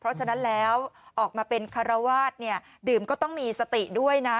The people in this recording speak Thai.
เพราะฉะนั้นแล้วออกมาเป็นคารวาสเนี่ยดื่มก็ต้องมีสติด้วยนะ